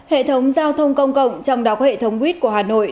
hệ thống giao thông công cộng trong đọc hệ thống buýt của hà nội